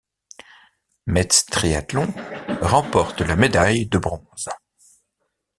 Metz triathlon remporte la médaille de bronze.